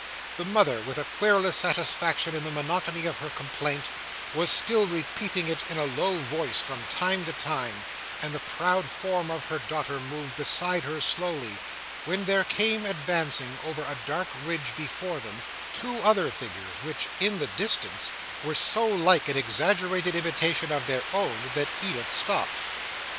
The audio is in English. The mother, with a querulous satisfaction in the monotony of her complaint, was still repeating it in a low voice from time to time, and the proud form of her daughter moved beside her slowly, when there came advancing over a dark ridge before them, two other figures, which in the distance, were so like an exaggerated imitation of their own, that Edith stopped.